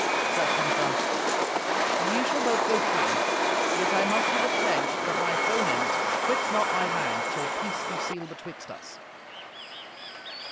Said Gunther, "Ye shall both go free. Yet I must have a pledge that my foemen quit not my land till peace be sealed betwixt us."